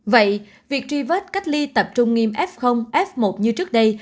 vậy việc truy vết cách ly tập trung nghiêm f f một như trước đây